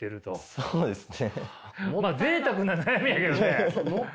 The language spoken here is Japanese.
そうですね。